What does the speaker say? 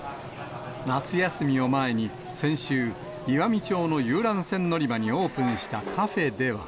夏休みを前に、先週、岩美町の遊覧船乗り場にオープンしたカフェでは。